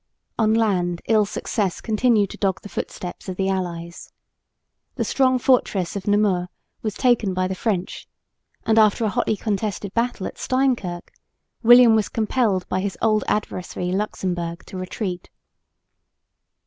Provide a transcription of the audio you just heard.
On land ill success continued to dog the footsteps of the allies. The strong fortress of Namur was taken by the French; and, after a hotly contested battle at Steinkirk, William was compelled by his old adversary Luxemburg to retreat.